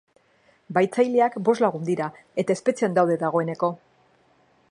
Bahitzaileak bost lagun dira, eta espetxean daude dagoeneko.